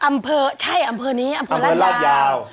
อันเภอใช่อันเภอนี้อันเภอลาดยาวอันเภอลาดยาว